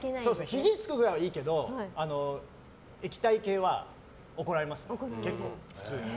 ひじつくくらいはいいけど液体系は怒られますね